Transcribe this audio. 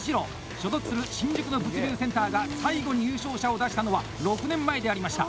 所属する新宿の物流センターが最後に優勝者を出したのは６年前でありました！